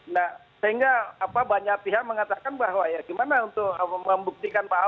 nah sehingga banyak pihak mengatakan bahwa gimana untuk membuktikan bahwa